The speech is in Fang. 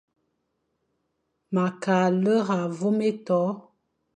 Ma kʼa lera vôm éto.